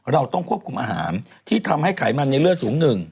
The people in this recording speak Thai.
เราต้องควบคุมอาหารที่ทำให้ไขมันในเลือดสูงหนึ่ง